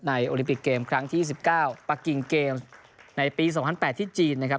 โอลิมปิกเกมครั้งที่๑๙ปะกิงเกมส์ในปี๒๐๐๘ที่จีนนะครับ